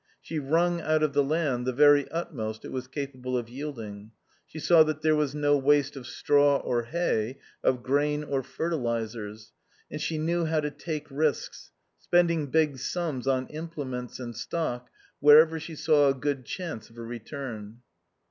She wrung out of the land the very utmost it was capable of yielding; she saw that there was no waste of straw or hay, of grain or fertilizers; and she knew how to take risks, spending big sums on implements and stock wherever she saw a good chance of a return.